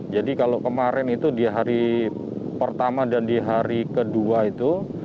jadi kalau kemarin itu di hari pertama dan di hari kedua itu